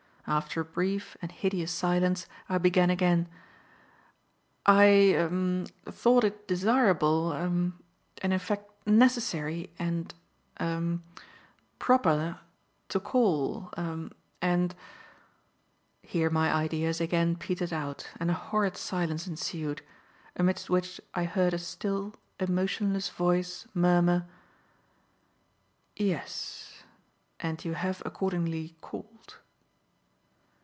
After a brief and hideous silence I began again. "I er thought it desirable er and in fact necessary and er proper to call er and " Here my ideas again petered out and a horrid silence ensued, amidst which I heard a still, emotionless voice murmur: "Yes. And you have accordingly called."